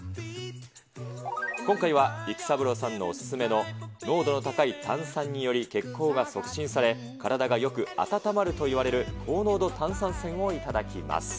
今回は、育三郎さんのお勧めの濃度の高い炭酸により、血行が促進され、体がよく温まるといわれる高濃度炭酸泉を頂きます。